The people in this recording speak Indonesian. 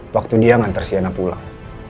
waktu dia ngantar siana pulang